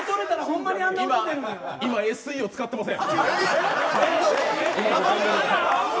今、ＳＥを使ってません。